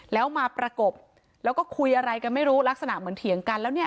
แล้วมาประกบแล้วก็คุยอะไรกันไม่รู้ลักษณะเหมือนเถียงกันแล้วเนี่ย